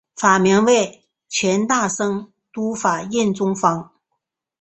法名为权大僧都法印宗方。